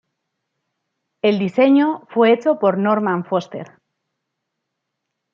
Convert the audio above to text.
El diseño fue hecho por Norman Foster.